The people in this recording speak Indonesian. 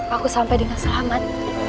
aku sampai dengan selamat